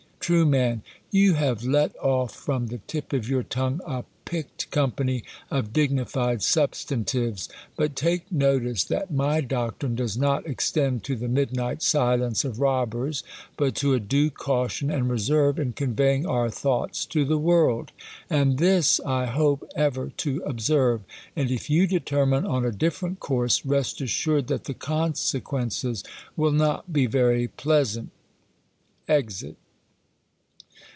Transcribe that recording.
Tn^, You have let off from the tip of your tongue a picked company of dignified substantives ; but take liOtice that my doctrine does not extend to the midnight silence of robbers ; but to a due caution and reserve in conveying our thoughts to the world. And this I hope ever to observe. And if you determine on a different course, rest assured, that the consequences will not be very ])leasant. [Exit.